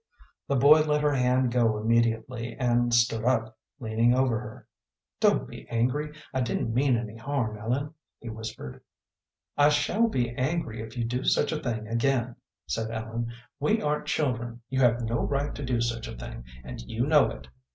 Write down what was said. The boy let her hand go immediately, and stood up, leaning over her. "Don't be angry; I didn't mean any harm, Ellen," he whispered. "I shall be angry if you do such a thing again," said Ellen. "We aren't children; you have no right to do such a thing, and you know it."